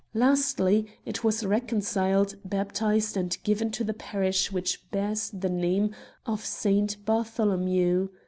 Lastly, it was recon ciled, baptized, and given to the parish which bears the name of Saint Bartholomew.